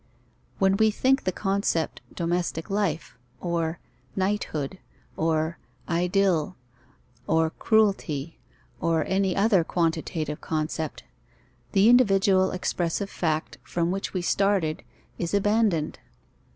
When we think the concept domestic life, or knighthood, or idyll, or cruelty, or any other quantitative concept, the individual expressive fact from which we started is abandoned.